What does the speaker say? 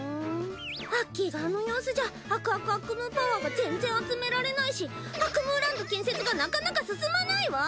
アッキーがあの様子じゃあくあくあっくむーパワーが全然集められないしアクムーランド建設がなかなか進まないわ！